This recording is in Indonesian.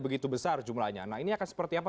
begitu besar jumlahnya nah ini akan seperti apa